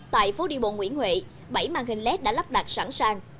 tại phố đi bộ nguyễn huệ bảy màn hình led đã lắp đặt sẵn sàng